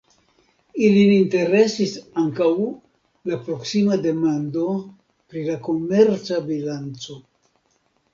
Ilin interesis ankaŭ la proksima demando pri la komerca bilanco.